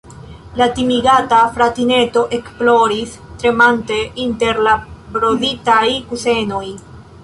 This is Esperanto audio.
La timigata fratineto ekploris, tremante inter la broditaj kusenoj.